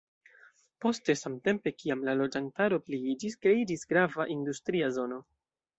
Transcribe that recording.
Poste, samtempe kiam la loĝantaro pliiĝis, kreiĝis grava industria zono.